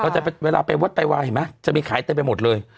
แต่เวลาไปวัดไปวายเห็นมั้ยจะมีขายไปหมดเลย